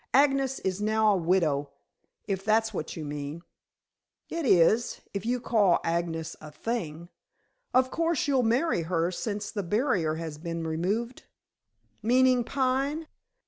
"Agnes is now a widow, if that's what you mean." "It is, if you call Agnes a thing. Of course, you'll marry her since the barrier has been removed?" "Meaning Pine?